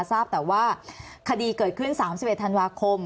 ทราบแต่ว่าคดีเกิดขึ้น๓๑ธันวาคม